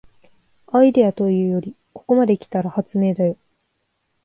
アイデアというよりここまで来たら発明だよ